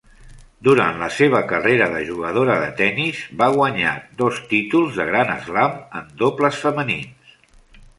Durant la seva carrera de jugadora de tenis va guanyar dos títols de Grand Slam en dobles femenins.